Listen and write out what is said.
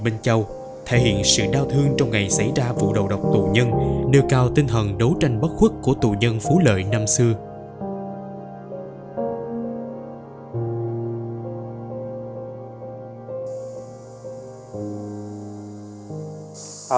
bên châu thể hiện sự đau thương trong ngày xảy ra vụ đầu độc tù nhân đưa cao tinh thần đấu tranh bất khuất của tù dân phú lợi năm xưa